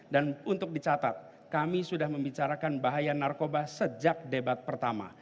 dan untuk dicatat kami sudah membicarakan bahaya narkoba sejak debat pertama